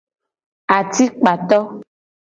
Atikpato.